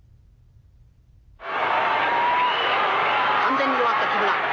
完全に弱った木村。